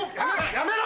やめろ！